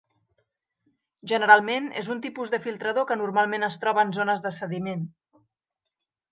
Generalment, és un tipus de filtrador que normalment es troba en zones de sediment.